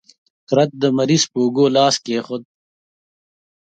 کرت د مریض پر اوږو لاس کېښود.